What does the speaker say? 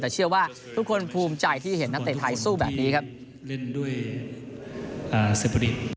แต่เชื่อว่าทุกคนภูมิใจที่เห็นนักเตะไทยสู้แบบนี้ครับ